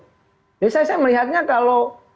jadi saya melihatnya kalau